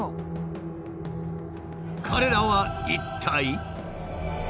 彼らは一体？